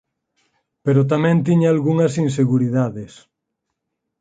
Pero tamén tiña algunhas inseguridades.